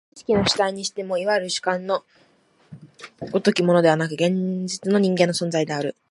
知識の主体にしても、いわゆる主観の如きものでなく、現実の人間の存在である。